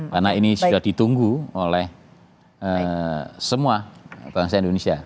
karena ini sudah ditunggu oleh semua bangsa indonesia